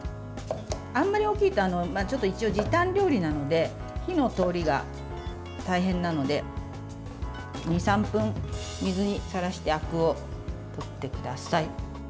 あんまり大きいと一応、時短料理なので火の通りが大変なので２３分、水にさらしてあくを取ってください。